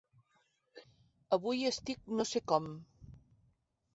Avui estic no sé com.